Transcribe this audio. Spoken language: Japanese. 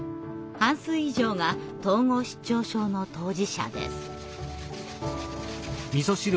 半数以上が統合失調症の当事者です。